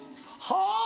はぁ！